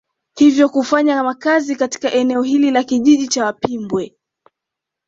Hivyo kufanya makazi katika eneo hili la kijiji cha Wapimbwe